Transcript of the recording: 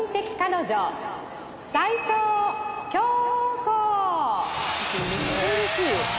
「これめっちゃうれしい！」